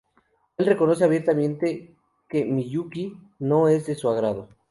El reconoce abiertamente que Miyuki no es de su agrado.